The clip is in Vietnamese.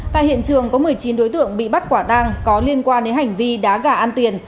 tại hiện trường có một mươi chín đối tượng bị bắt quả tang có liên quan đến hành vi đá gà ăn tiền